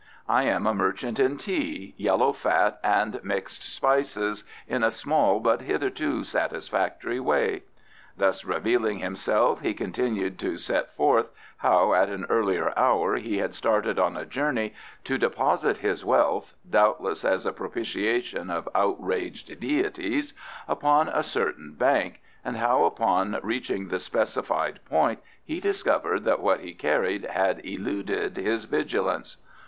"I am a merchant in tea, yellow fat, and mixed spices, in a small but hitherto satisfactory way." Thus revealing himself, he continued to set forth how at an earlier hour he had started on a journey to deposit his wealth (doubtless as a propitiation of outraged deities) upon a certain bank, and how, upon reaching the specified point, he discovered that what he carried had eluded his vigilance.